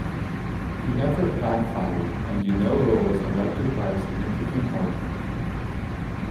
The effort backfired, and DiNovo was elected by a significant margin.